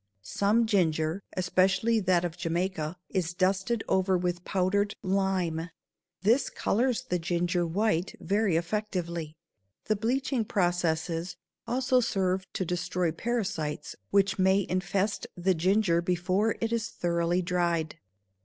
Some ginger, especially that of Jamaica, is dusted over with powdered lime; this colors the ginger white very effectively. The bleaching processes also serve to destroy parasites which may infest the ginger before it is thoroughly dried.